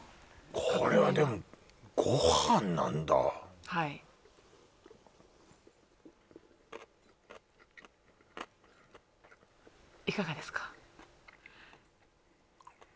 これはでもご飯なんだはいいかがですか？